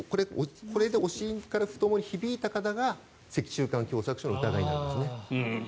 これでおしりから太ももに響いた方が脊柱管狭窄症の疑いなんですね。